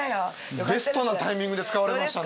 ベストなタイミングで使われましたね。